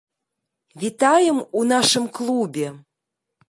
Вітаем у нашым клубе!